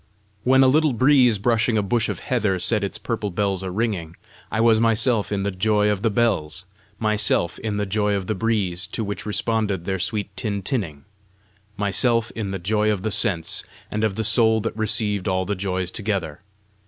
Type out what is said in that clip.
When a little breeze brushing a bush of heather set its purple bells a ringing, I was myself in the joy of the bells, myself in the joy of the breeze to which responded their sweet TIN TINNING, myself in the joy of the sense, and of the soul that received all the joys together.